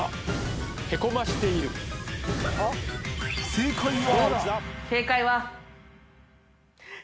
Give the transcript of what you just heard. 正解は。